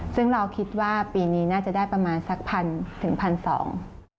ซึ่งเราคิดว่าปีนี้น่าจะได้ประมาณสักพันถึงพันสอง